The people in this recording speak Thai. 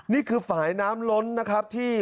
นี่คือฝ่ายน้ำล้นนะครับที่